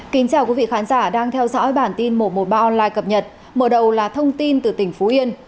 kính chào quý vị khán giả đang theo dõi bản tin một trăm một mươi ba online cập nhật mở đầu là thông tin từ tỉnh phú yên